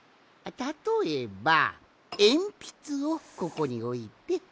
たとえばえんぴつをここにおいて。